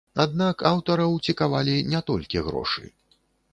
Аднак аўтараў цікавалі не толькі грошы.